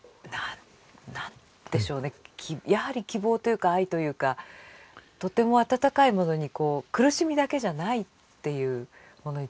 やはり希望というか愛というかとっても温かいものに苦しみだけじゃないっていうものにつながってますよね。